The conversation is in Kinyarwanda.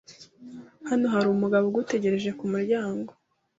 Hano hari umugabo ugutegereje kumuryango.